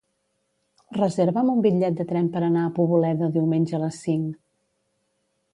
Reserva'm un bitllet de tren per anar a Poboleda diumenge a les cinc.